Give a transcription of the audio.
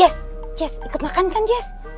jess jess ikut makan kan jess